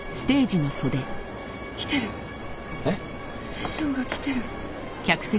師匠が来てる。